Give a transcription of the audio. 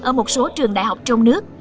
ở một số trường đại học trong nước